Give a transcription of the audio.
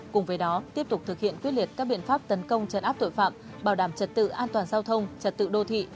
cùng với đó tiếp tục thực hiện quyết liệt các biện pháp tấn công chấn áp tội phạm bảo đảm trật tự an toàn giao thông trật tự đô thị